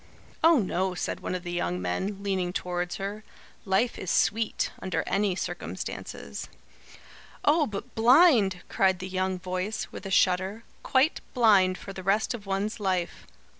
"Oh, no," said one of the young men, leaning towards her. "Life is sweet, under any circumstances." "Oh, but blind!" cried the young voice, with a shudder. "Quite blind for the rest of one's life.